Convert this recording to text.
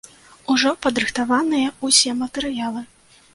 Ужо падрыхтаваныя ўсе матэрыялы.